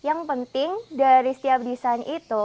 yang penting dari setiap desain itu